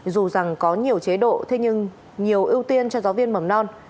dù rằng có nhiều chế độ thế nhưng nhiều ưu tiên cho giáo viên mầm non